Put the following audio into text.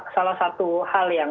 salah satu hal yang